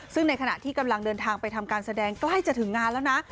ซึ่งในขณะที่กำลังเดินทางไปทำการแสดงใกล้จะถึงงานแล้วนะ